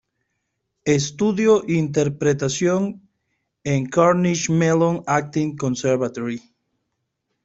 Estudió interpretación en el Carnegie Mellon Acting Conservatory.